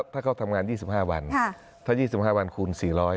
ถ้าเขาทำงาน๒๕วันคูณ๔๐๐